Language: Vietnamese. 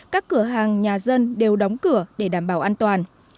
các cửa hàng nhà dân đều đóng cửa để đảm bảo an toàn